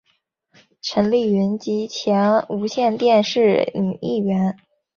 陈丽云及前无线电视女艺员。